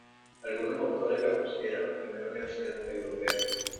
Algunos autores la consideran la primera universidad europea.